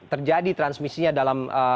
yang terjadi transmisinya dalam